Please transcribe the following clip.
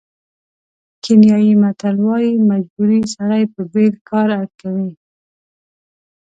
کینیايي متل وایي مجبوري سړی په بېل کار اړ کوي.